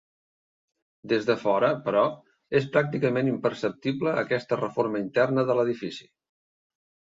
Des de fora, però, és pràcticament imperceptible aquesta reforma interna de l'edifici.